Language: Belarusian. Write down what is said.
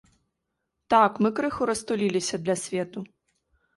Так, мы крыху растуліліся для свету.